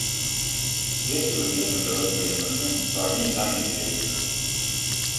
Если бы железные дороги были нужны, то они и сами ввели бы их.